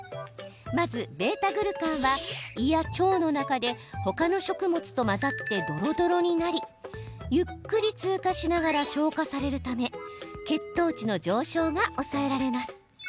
まずβ−グルカンは胃や腸の中でほかの食物と混ざってどろどろになりゆっくり通過しながら消化されるため血糖値の上昇が抑えられます。